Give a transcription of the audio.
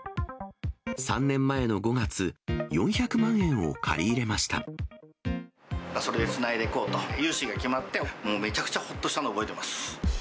３年前の５月、それでつないでいこうと、融資が決まって、もうめちゃくちゃほっとしたのを覚えてます。